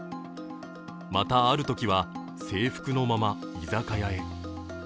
またあるときは制服のまま居酒屋へ。